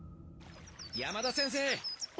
山田先生。